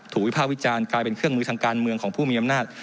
วิภาควิจารณ์กลายเป็นเครื่องมือทางการเมืองของผู้มีอำนาจ